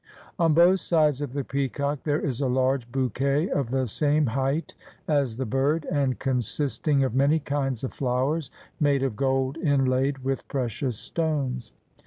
On both sides of the peacock there is a large bouquet of the same height as the bird, ii6 THE PEACOCK THRONE OF SHAH JEHAN and consisting of many kinds of flowers made of gold inlaid with precious stones.